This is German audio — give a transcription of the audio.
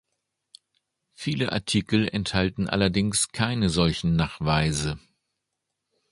Viele Artikel enthalten allerdings keine solchen Nachweise.